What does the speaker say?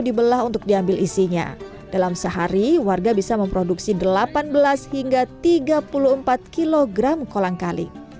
dibelah untuk diambil isinya dalam sehari warga bisa memproduksi delapan belas hingga tiga puluh empat kg kolang kaling